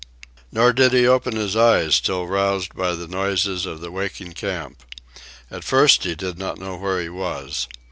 Nor did he open his eyes till roused by the noises of the waking camp. At first he did not know where he was.